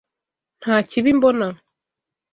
Nta kibi mbona.